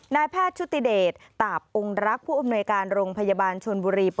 นายแพทย์ชุติเดชตาบองค์รักผู้อำนวยการโรงพยาบาลชนบุรี